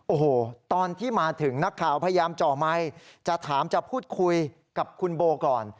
โอ้โหตอนที่มาถึงนักข่าวพยายามเจาะไมค์จะถามจะพูดคุยกับคุณโบก่อน